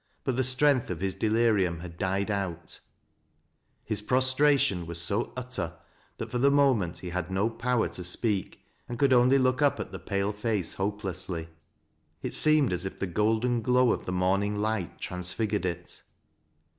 But the strength of his delirium had died out ; his prostration was so utter, that for the moment he had no power to speak and could only look up at the pale face hopelessly. It seemed as if the golden glow of the morning light transflgured it.